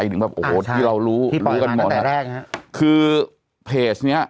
เป็นอย่างแบบโอ้โหที่เรารู้รู้กันหมดที่ปล่อยมาตั้งแต่แรกนะฮะคือเพจเนี่ย